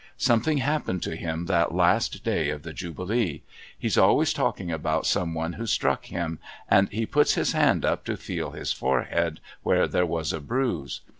Something happened to him that last day of the Jubilee. He's always talking about some one who struck him, and he puts his hand up to feel his forehead, where there was a bruise.